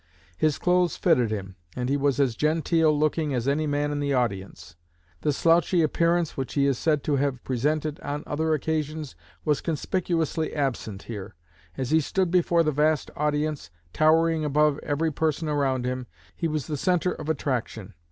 His clothes fitted him, and he was as genteel looking as any man in the audience. The slouchy appearance which he is said to have presented on other occasions was conspicuously absent here. As he stood before the vast audience, towering above every person around him, he was the centre of attraction.